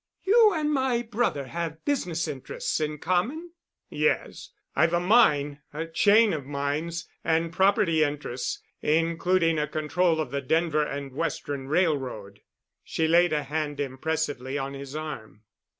"You and my brother have business interests in common?" "Yes, I've a mine—a chain of mines and property interests, including a control of the Denver and Western Railroad." She laid a hand impressively on his arm.